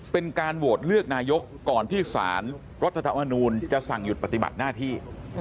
เป็นการโหวตเลือกนายกก่อนที่สารรัฐธรรมนูลจะสั่งหยุดปฏิบัติหน้าที่